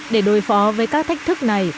để đối phó với các thách thức này